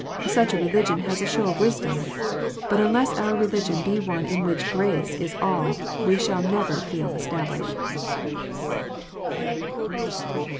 Such a religion has "a show of wisdom." But unless our religion be one in which "grace" is all, we shall never feel established.